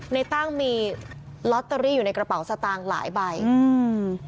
ในตั้งมีลอตเตอรี่อยู่ในกระเป๋าสตางค์หลายใบอืม